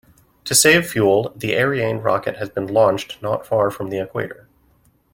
To save fuel, the Ariane rocket has been launched not far from the equator.